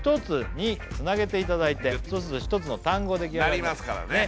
１つにつなげていただいてそうすると１つの単語できあがります